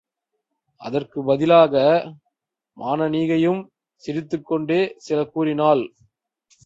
அதற்குப் பதிலாக மானனீகையும் சிரித்துக்கொண்டே சில கூறினாள்.